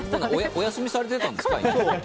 お休みされてたんですか？